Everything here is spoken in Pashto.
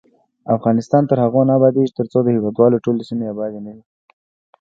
افغانستان تر هغو نه ابادیږي، ترڅو د هیواد ټولې سیمې آبادې نه شي.